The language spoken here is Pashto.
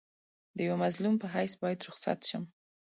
د یوه مظلوم په حیث باید رخصت شم.